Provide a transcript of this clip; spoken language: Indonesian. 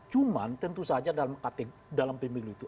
cuma tentu saja dalam pemilu itu